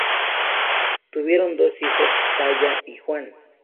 Tuvieron dos hijos, Palla y Juan.